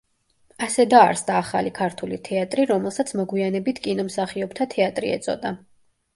ასე დაარსდა ახალი ქართული თეატრი, რომელსაც მოგვიანებით კინომსახიობთა თეატრი ეწოდა.